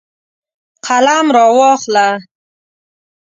قلم راواخله.